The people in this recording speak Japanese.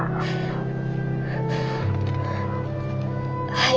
はい。